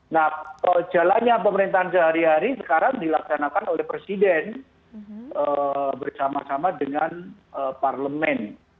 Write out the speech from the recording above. nah jalannya pemerintahan sehari hari sekarang dilaksanakan oleh presiden bersama sama dengan parlemen